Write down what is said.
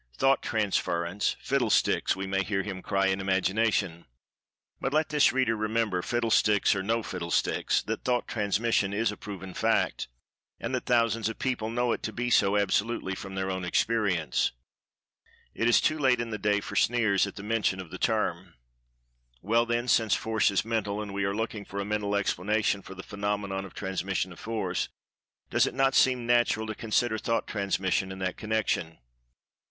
"Thought transference, Fiddlesticks," we may hear him cry, in imagination. But let this reader remember—Fiddlesticks, or no Fiddlesticks—that Thought transmission is a proven fact—and that thousands of people know it to be so, absolutely, from their own experience. It is too late in the day for sneers at the mention of the term.[Pg 162] Well, then, since Force is Mental, and we are looking for a Mental explanation for the phenomenon of Transmission of Force, does it not seem natural to consider Thought transmission in that connection?